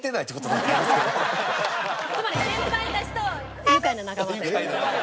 つまり先輩たちと愉快な仲間たち。